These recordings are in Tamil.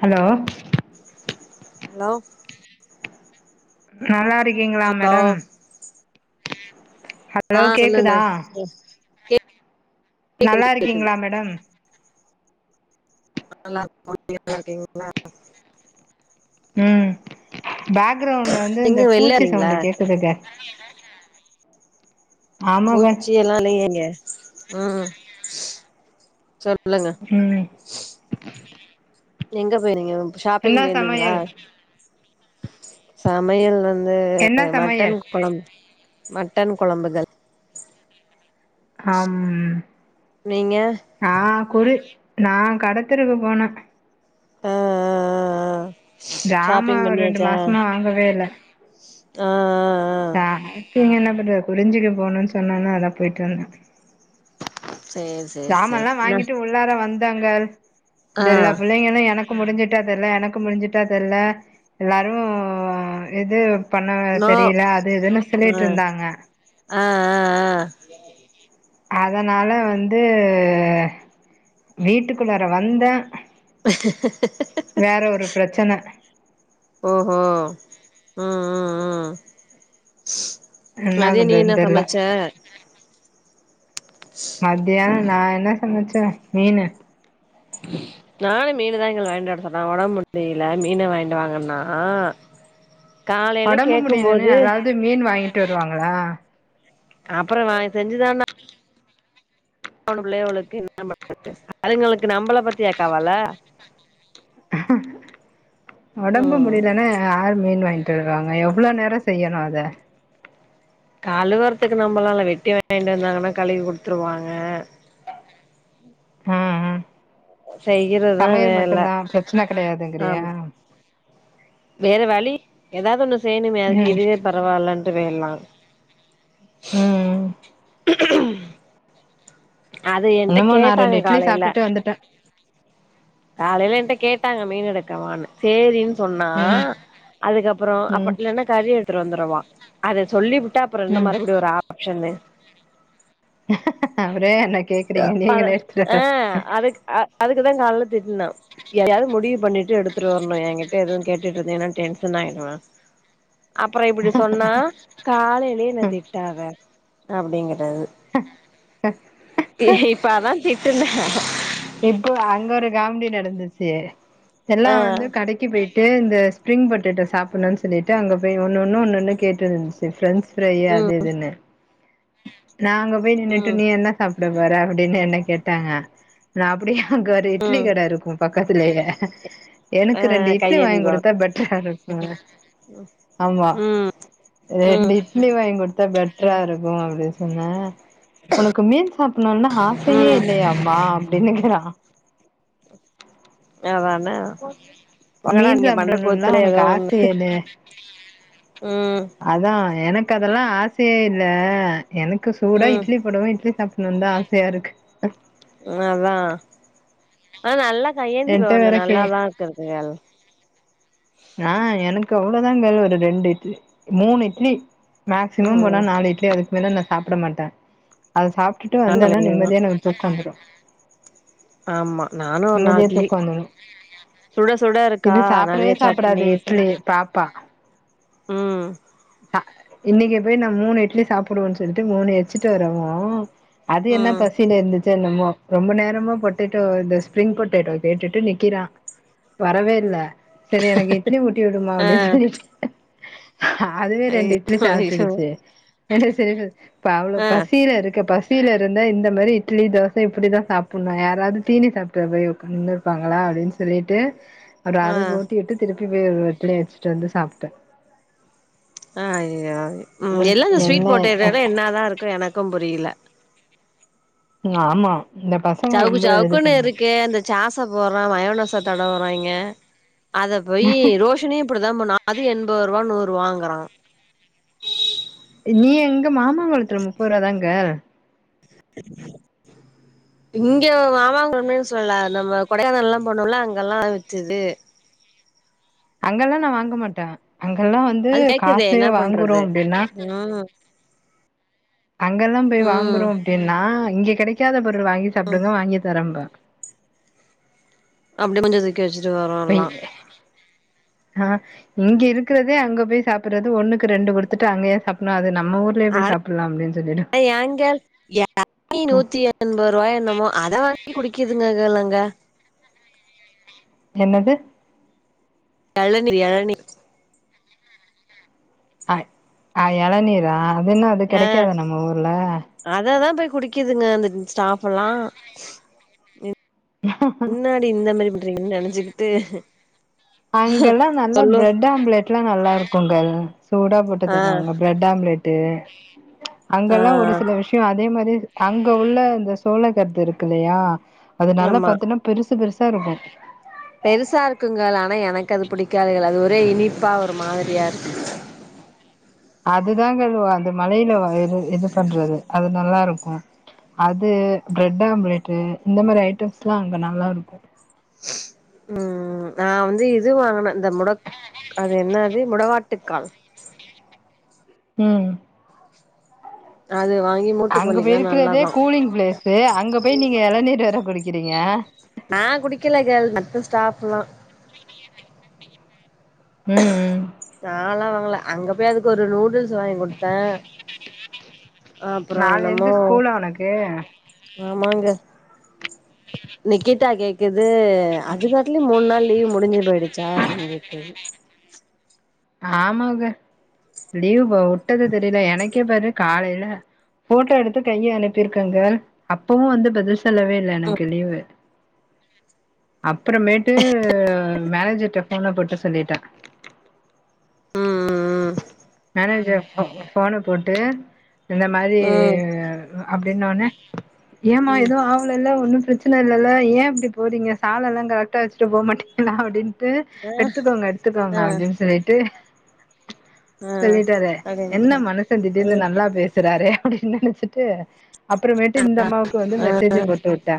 ஹலோ ஹலோ நல்லா இருக்கீங்ளா ஹலோ மேடம் ஆ ஹலோ சொல்லுங்க கேக்குதா கேக்குது நல்லா கேக்குது இருக்கீங்ளா மேடம் நல்லா இருக்கோ நீங்க நல்லா இருக்கீங்ளா ம் பேக்ரவுண்ட்ல வந்து இந்த எங்க பூச்சி வெள்ளாறீங்களா சவுண்டு கேக்குதுங்க ஆமாங்க பூச்சி எல்லா இல்லையே இங்க ஆ சொல் இல்லங்க ம் எங்க போய்ரீங்க நம்க்கு என்ன ஷாப்பிங் பேய்ர்ந்தீங்குளா சமையல் சமையல் வந்து என்ன மட்டன் சமையல் கொழம் மட்டன் கொழம்புகள் ஹம் நீங்க ஆ குறு நா கடத்தெருவு போன ஆ ஜாமா ஷாப்பிங் ஒரு ரெண்டு பண்ணியாச்சா மாஸ்மா வாங்கவே இல்ல தா சாப்பிங் என்ன பண்றது குறிஞ்சிக்கு போணுன் சொன்னாங்க அதா போய்ட்டு வந்த சேரி சேரி சேரி சாமன்லா நா வாங்கிட்டு உள்ளார வந்தாங்க ஆ இந்த எல்லா புள்ளைங்களு எனக் கு முடிஞ்சுட்டா தெர்ல எனக்கு முடிஞ்சுட்டா தெர்ல எல்லாரு இது பண்ணவ நோ தெரியில அது இதுன்னு ஆ சொல்லிட்டு இருந்தாங்க ஆ ஆ ஆ அதனால வந்து வீட்டுக்குள்ளார வந்த வேற ஒரு பிரச்சன ஓஹோ ம் ம் ம் என்னா மதியோ நீ என்ன பண்றதுன்னு தெர்ல சமைச்ச மத்யான நா என்ன சமைச்ச மீனு நானு மீனுதா‌ கேள் வாங்கிட்டு வர சொன்னே ஒடம்பு முடியில மீன வாங்கிண்டு வாங்கன்னா காலையில ஒடம்பு கேக்கும் முடியலன்னு போது யாராவுது மீன் வாங்கிட்டு வருவாங்களா அப்புறோ நா மூனு புள்ளையோளுக்கு என்ன‌ பண்றது அதுங்களுக்கு நம்பள பத்தியா கவல ஒடம்பு ம் முடியலன்னா யாரு மீன் வாங் ட்டு வருவாங்க எவ்ளோ நேரோ செய்யணு அத கழுவறத்துக்கு நம்பளால வெட்டி வாங்கிட்டு வந்தாங்கன்னா கழுவி குடுத்துருவாங்க ம் ம் செய்யறதுதா சமையல் வேல மட்டுந்தா பிரச்சன கெடையாதுங்கிறியா ஆமா வேற வழி ஏதாவது ஒன்னு செய்யணுமே அதுக்கு ம் இதுவே பரவாலன்ட்டு போயிட்லா ம் அது ஏன்ட்ட என்னமோ நா கேட்டாங்க ரெண்டு இட்லி காலையில சாப்ட்டுட்டு வந்துட்டே காலையில ஏன்ட்ட கேட்டாங்க மீனு எடுக்கவான்னு சேரின்னு சொன்னா ம் அதுக்கப்புறோ அப்ப ம் இல்லனா கறி எடுத்துட்டு வந்துரவா அத சொல்லிப்பு ட்ட அப்புறோ என்ன ம் மறுபடி ஒரு ஆப்ஷன்னு அப்புறோ என்ன கேக்குறீங்க நீங்களே எடுத்து வர இதுக்கு காலையில திட்னே எதையாது முடிவு பண்ணிட்டு எடுத்துட்டு வரணு எங்கிட்ட எதுவு கேட்டுட்ருந்தீனா டென்ஷன் ஆயிடுவ அப்புற இப்டி சொன்னா காலையிலயே என்ன திட்டாத அப்டிங்கிறாரு இப்ப அதா திட்டுன இப்போ அங்க ஒரு காமெடி நடந்துச்சு எல்லா ஆ வந்து கடைக்கு போயிட் டு இந்த ஸ்ப்ரிங் பொட்டட்டோ சாப்புணுன்னு சொல்லிட்டு அங்க போய் ஒன்னொன்னு ஒன்னொன்னு கேட்டுட்டுருந்துச்சு ஃப்ரெண்ட்ஸ் ப்ரை ம் அது இதுன்னு நா அங்க போய் நின்னுட்டு ம் நீ என்ன சாப்ட போற அப்டின்னு என்ன கேட்டாங்க நா அப்டியே அங்க ஒரு இட்லி ம் கட இருக்கு பக்கத்துலயே ஆ எனக்கு ரெண்டு இட்லி கையேந்தி வாங்கி பவன் குடுத்தா பெட்டராருக்குன்ன ம் ரெண்டு ம் இட்லி வாங்கி குடுத்தா பெட் க்கு அப்டி சொன்ன ஒனக்கு மீன் சாப்புணுன்னுலா ஆசையே ம் இல்லையாம்மா அப்டின்னுக்கிறா அதான வாங்கடா மீன் நீங்க பண்ற சாப்புடணும்லா கோத்துல ஒனக்கு ஏதோ ஆச ஒண்ணு எது ம் அதா எனக் கு அதெல்லா ஆசையே இல்ல எனக்கு சூடா ம் இட்லி போடவு இட்லி சாப் புட்ணுன்தா ஆசையா இருக்கு ஆ அதா ஆனா நல்லா கையேந்தி என்ட்ட பவன்ல வேற கே நல்லாதாக்கு இருக்கு‌ கேள் ஆ எனக்கு அவ்ளோதா கேள் ஒரு ரெண்டு இட்லி மூணு இட்லி மேக்சிமம் ம் போனா நாலு இட்லி அதுக்கு மேல நா சாப்புட மாட்ட அத சாப் டுட்டு நல்ல வந்தேன்னா இட்லிதா நிம்மதியா எனக்கு தூக்கோ வந்துரு ஆமா நானு ஒரு நாலு நிம்மதியா இட்லி தூக்கோ வந்துரு சுட சுட இருக்கா நெறைய சட் அது இட்லி பாப்பா உம் அஹ் இன்னைக்கு போய் நா மூணு இட்லி சாப்பிடுவன் சொல்லிட்டு மூணு வச்சிட்டு வரவும் அது என்ன ம் பசியிலே இருந்துச்சோ என்னமோ ரொம்ப நேரமா பொட்டெட்டோ இந்த ஸ்பிரிங் பொட்டேட்டோ கேட்டுட்டு நிக்கிறான் வரவே இல்ல சரி எனக்கு இட்லி ஊட்டி விடுமா ஆ அப்டின் சொல்லிட்டு அதுவே ரெண்டு இட்லி ஐயோ சாப்புட்டுருச்சு சரி இ அவ்ளவு ஆ பசியில இருக்க பசி பசியில இருந்தா இந்த மாரி இட்லி தோச இப்படிதான் சாப்பிடணும் யாராவது தீனி சாப்டுறமாரி உக்காந்து இருப்பாங்களா அப்டின் சொல்லிட்டு அப்புறம் ஆ அதுக்கு ஊட்டி விட்டு திருப்பி போய் பிளே வச்சிட்டு வந்து சாப்பிட்டேன் ஆஹ் உம் எல்லா என்ன ஸ்வீட் பொட்டேட்டோல என்னாதான் இருக்கும் எனக்கும் புரியல ம் ஆமா இந்த பசங்க சவுக்கு ரொம்ப இது சவுக்குன்னு பண்ணு இருக்கு அந்த ஜாஸ போடுறான் மயோனச தடவுறாங்க அத போய் ரோஷனியும் இப்படிதான் பண்ணுவான் அது எண்பது ரூபா நூறு வாங்குறோ நீ எங்க மாமாங் குளத்துல முப்பது ரூவா தாங்க இங்க மாமாங்க ஒன்னுமே சொல்லல நம்ம கொடைக்கானல்லாம் போனோம்ல அங்கெல்லாம் வச்சிது [inaudible] அங்கெல்லா நா வாங்க மாட்டே அங்கெல்லாம் வந்து அது கேக்குதே என்ன காஸ்ட்லியா வாங்குறோ பண்றது அப்படின்னா ம் அங்கெல்லாம் போய் ம் வாங்குறோம் அப்படின்னா இங்க கிடைக்காத பொருள் வாங்கி சாப்டுங்க வாங்கி தாரேன் பாரு அப்படியே கொஞ்சம் நிக்க வச்சுட்டு வாரோம் எல்லாம் ஆஹ் இங்க இருக்கிறதே அங்க போய் சாப்பிடுறது ஒண்ணுக்கு ரெண்டு கொடுத்துட்டு அங்க ஏன் சாப்பிடணும் அது நம்ம ஹோட்டல்லே போய் அட சாப்டுறலாமே ஏங்க ய எ நீ நூத்தி எண்பது ரூபாய் என்னமோ அத வாங்கி குடிக்குதுங்கல்லங்க என்னது ஏழநீர் ஏழநீர் அஹ ஆஹ் இளநீரா அதுன்ன அது ஆ கிடைக்காத நம்ம ஊர்ல அததா போய் குடிக்குதுங்க அந்த ஸ்டாப் எல்லா முன்னாடி இந்த மாரி பண்றீங்கனு நினைச்சுகிட்டு அங்கெல்லாம் நல்லா பிரெட் ஆம்லேட்ல்லாம் நல்லா இருக்கும்ங்க சூடா போட்டு ஆ தருவாங்க பிரெட் ஆம்லேட் ப்ரெட்டு ஆ அங்கல்லாம் ஒரு சில விஷயம் அ அதே மாதிரி அங்க உள்ள இந்த சோழக்கருது இருக்கு இல்லையா அது நல்லா ஆமா பாத்தீன்னா பெருசு பெருசு [unintelligible] பெருசா இருக்குங்க ஆனா எனக்கு அது பிடிக்காது அது ஒரு எதோ இனிப்பா ஒரு மாதிரியா இருக்கும் அதுதாங்க அது அது மலையில வரையி இது பண்றது அது நல்லா இருக்கும் அது பிரெட் ஆம்லேட்டு இந்த மாதிரி ஐட்டம்ஸ் எல்லாம் அங்க நல்லா இருக்கு உம் உம் நா வந்து இது வாங்கினே இந்த முடக்க அது என்ன அது முடாக் ட்டுக்கால் உம் அதுவ் அங்க போய் இருக்கிறதே கூலிங் பிளேஸு அங்க போய் நீங்க இளநீர் வேற குடிக்கிறீங்க நான் குடிக்கல கேள் மத்த ஸ்டாப்ல்லா ம் ம் நாலா வாங்கல அங்க போய் அதுக்கு ஒரு நூடுல்ஸ் வாங்கி குடுத்தே அப்புறம் நாளை என்னமோ இருந்து ஸ்கூலா உனக்கு ஆமாங்க அது அதுக்காட்லையு மூணு நாள் லீவ் முடிஞ்சு போயிடுச்சா அப்படின்னு கேக்குது ஆமாங்க லீவு போ உட்டது தெரில எனக்கே பாரு காலைல போட்டோ எடுத்து கைய அனுப்பிருக்கங்க அப்பவு வந்து பதில் சொல்லவே இல்ல எனக்கு லீவு அப்புறமேட்டு மேனேஜர்ட்ட ஃபோன போட்டு சொல்லிட்டே அ அ அ மேனேஜர் ஃபோனு போட்டு இந்த மாரி ம் அப்டின்னோனே ஏமா ஏதுவு ஆவுலல்ல ஒன்னு ப்ரச் சன இல்லல்ல ஏ இப்டி போறீங்க சாலெல்லா கரெக்டா வச்சுட்டு போ மாட்டீங்ளா அப்டின் டு ம் ஆ எடுத்துக்கோங்க ஆ எடுத்துக்கோங்க அப்டின் சொல்லிட்டு ஆ சொல்லிட்டாரு என்ன அப்டின்ட்டு மனுசே திடீர்னு நல்லா பேசுறாரே அப்டின் நெனச்சிட்டு அப்புறமேட்டு இந்த அம்மாவுக்கு வந்து மெசேஜ போட்டு உட்டே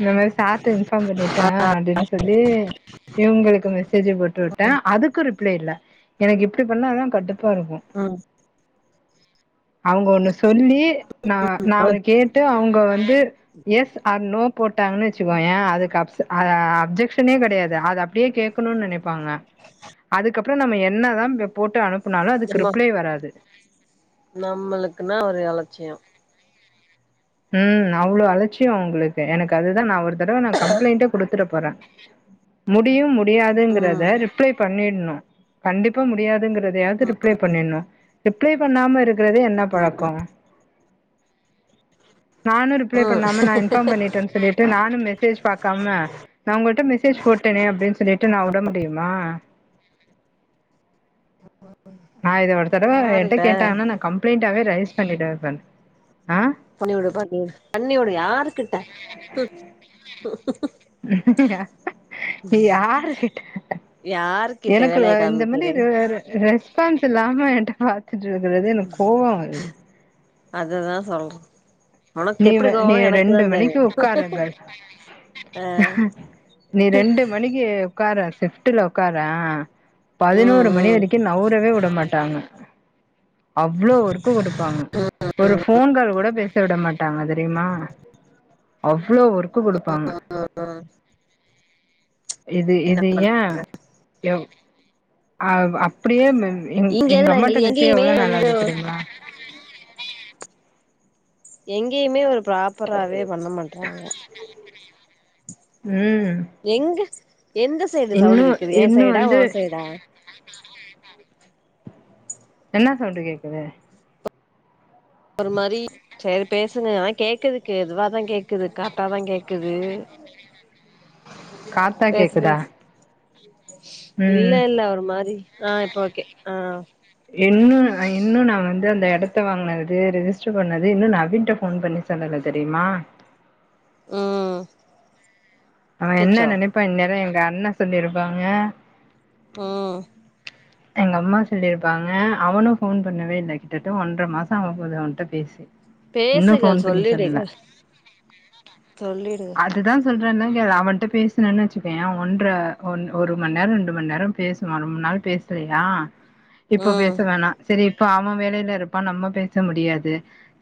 இந்த மேரி சார்ட்ட இன்ஃபார்ம் பண்ணிட்ட அப்டின்னு சொல்லி இவுங்களுக்கு மெசேஜி போட்டு உட்டே அதுக்கு ரிப்ளே இல்ல எனக்கு இப்டி பண்ணாதா கடுப்பா இருக்கு ம் அவுங்க ஒண்ணு சொல்லி நா நா ஒன்னு கேட்டு அவுங்க வந்து எஸ் ஆர் நோ ட்டாங்கனு வச்சுக்கோய அதுக்கப்ஸ் அ அப்ஜெக்க்ஷனே கெடையாது அத அப்டியே கேக்கணுன் நெனைப்பாங்க அதுக்கப்றோ நம்ம என்னதா போட்டு அனுப்புனாலு அதுக்கு ரிப்ளே வராது நம்மளுக்குனா ஒரு அலட்சியோ ம் அவ்ளோ அலச்சியோ அவுங்களுக்கு எனக்கு அதுதா நா ஒரு தடவ நா கம்ப்ளைண்டே குடுத்துறப் போறா முடியு ம் முடியாதுங்கறத ரிப்ளை பண்ணிட்ணு கண்டிப்பா முடியாதுங்கிற எதயாது ரிப்ளே பண்ணிட்னு ரிப்ளே பண்ணாம இருக்குறது என்ன பழக்கோ நானு ரிப்ளே ம் பண்ணாம நா இன்ஃபார்ம் பண்ணிட்டன் சொல்லிட்டு நானு மெசேஜ் பாக்காம நா உங்கட்ட மெசேஜ் போ ட்டனே அப்டின் சொல்லிட்டு நா உட முடியுமா நா இத ஒரு தடவ யாரு என்ட்ட கேட்டாங்கன்னா நா கம்ப்ளைண்டாவே ரைஸ் பண்ணிடுவ பண்ணி வுடு பண்ணி பண்ணி வுடு யாருக்கிட்ட ஹூம் யாரு கிட்ட யாருகிட்ட எனக்கு வ வேலைய இந்த மேரி காமிக்கிறீங்க ரெ ரெஸ்பான்ஸ் இல்லாம என்ட்ட கத்திட்ருக்றது எனக்கு கோவோ வருது அதுதா சொல்றே உனக்கு நீ எப்டி வே கோவோ நீ வரு எனக்கு தா ரெண்டு தெரியு மணிக்கு உக்கார கேர்ல் ஆ நீ ரெண்டு மணிக்கு உக்கார சிஃப்டுல உக்கார ம் பதினோரு மணி ம் வரைக்கு நவ்ரவே உட மாட்டாங்க அவ்ளோ ஒர்க்கு குடுப்பாங்க ஒரு ஃபோன் கால் கூட பேச விட மாட்டாங்க தெரிமா அவ்ளோ ஒர்க்கு குடுப்பாங்க இது என்ன இது பண் ஏ எவ் அவ் அப்டியே எங் இங்க எங்க எதுல அம்மாட்ட பேசியே எங்கேயுமே எவ்ளோ வந்து நாலாவுது தெரியுமா எங்கேயுமே ஒரு ப்ராப்பராவே பண்ண மாட்றாங்க ம் எங்க எந்த சைடு சவுண்டு இன்னு கேக்குது எ இன்னு சைடா வந்து ஒ சைடா என்னா சௌண்ட்டு கேக்குது ஒரு மாரி சேரி பேசுங்க ஆனா கேக்குதுக்கு எதுவாதா கேக்குது கரெட்டாதா கேக்குது காத்தா பேசு கேக்குதா பேசு இல்ல ம் இல்ல ஒரு மாரி ஆ இப்ப ஓகே ஆ இன்னு இன்னு நா வந்து அந்த எடத்த வாங்னது ரிஜிஸ்டர் பண்ணது இன்னு நவீன்ட்ட ஃபோன் பண்ணி சொல்லல தெரிமா ம் அவ என்ன அச்சச்சோ நெனைப்பா இந்நேரோ எங்க அண்ண சொல்லிருப்பாங்க ம் எங்க அம்மா சொல்லிருப்பாங்க அவனு ஃபோன் பண்ணவே இல்ல கிட்டட்ட ஒன்ற மாசோ ஆவ போது அவன்ட்ட பேசி இன்னு பேசுகள் ஃபோன் பண்ணி சொல்லல. சொல்லிரு [unintelligible] அவன்ட பேசனோனு வச்சுக்கய ஒன்ற ஒன் ஒரு மண்நேர ரெண்டு மண்நேர பேசுவா ரொம்ப நாள் பேசலயா இப்ப பேச ம் வேணா செரி இப்ப அவன் வேலைல இருப்பான் நம்ம பேச முடியாது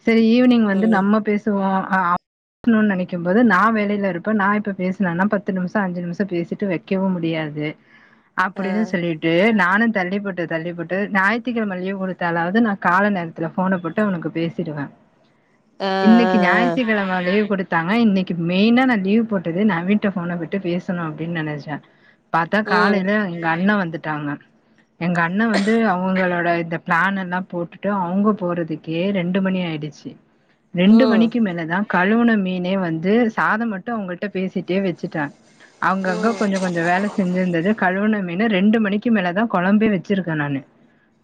செரி ஈவினிங் வந்து ம் நம்ம பேசுவோ அப் னு நெனைக்க போது நா வேலைல இருப்பே நா இப்ப பேசலான்னா பத்து நிம்ஷ அஞ்சு நிம்ஷ பேசிட்டு வைக்கவு முடியாது ஆ அப்பிடின்னு சொல்லிட்டு நானு தள்ளிப்போட்டு தள்ளிப்போட்டு ஞாயித்துக்கிழம லீவு குடுத்தாலாவது நா கால நேரத்துல‌ ஃபோன போட்டு அவனுக்கு பேசிருவே ஆ இன்னைக்கு ஞாயித்துக்கெழம லீவ் குடுத் ஆ இன்னைக்கு மெய்னா நா லீவ் போட்டது நவீன்ட்ட ஃபோன விட்டு பேசணு அப்டின்னு நெனச்சே பாத்தா ம் காலைல எங்க அண்ணே வந்துட்டாங்க எங்க அண்ணே வந்து அவுங்களோட இந்த பிளான் எல்லா போட்டுட்டு அவுங்க போறதுக்கே ரெண்டு மணி ஆயிடுச்சு ம் ரெண்டு மணிக்கு ம் மேலதா கழுவுன மீனே வந்து சாதம் மட்டும் அவுங்கள்ட்ட பேசிட்டே வெச்சுட்டே அங்கங்க கொஞ்ச கொஞ்சோ வேல செஞ்சிருந்தது கழுவுன மீனு ரெண்டு மணி மணிக்கு மேலதா கொழம்பே வெச்சிருக்கே நானு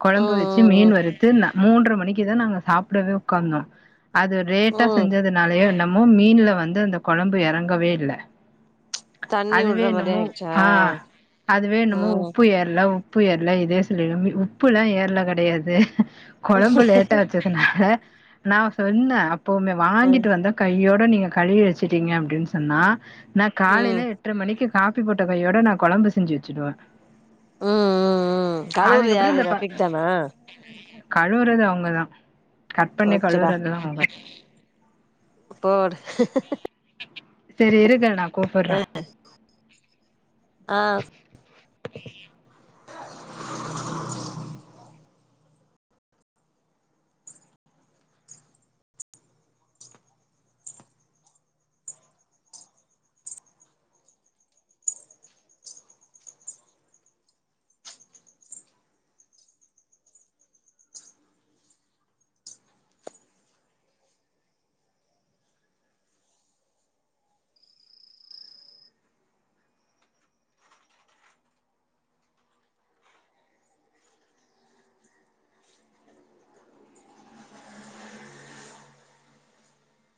கொழம்பு வச்சு ம் மீன் ம் வறுத்து நா மூன்ற மணிக்குதா நாங்க சாப்டவே உக்காந்தோ அது லேட்டா ம் செஞ்சதுனாலயோ என்ன மீன்ல வந்து அந்த கொழம்பு எறங்கவே இல்ல தண்ணி அதுவே விடுற மாரி என்னமோ ஆயிடுச்சா ஆ அதுவே என்னமோ ம் உப்பு ஏற்ல உ ப்பு ஏர்ல இதே சொல்லி உப்புலா ஏர்ல கெடயாது கொழம்பு லேட்டா வெச்சதுனால நா சொன்னே அப்பவுமே ம் வாங்கிட்டு வந்த கெய்யோட நீங்க கழுவி வச்சிட்டீங்க அப்டின் சொன்னா நா காலைல ம் ம் எட்ர மணிக்கு காப்பி போட்ட கையோட நா கொழம்பு செஞ்சு வெச்சுடுவே ம் ம் கழுவுறது அதுக்கப்புற யாரு இந்த ரஃபிக் தானா கழுவுறது அவுங்கதா கட் பன்னி போச்சுடா கழுவுறதுதா அவுங்க போடு சேரி இருங்க நா கூப்புட்ற ம் ஆ